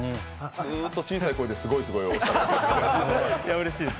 ずっと小さい声で「すごい、すごい」って。